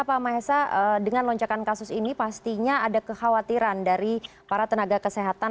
pak mahesa dengan lonjakan kasus ini pastinya ada kekhawatiran dari para tenaga kesehatan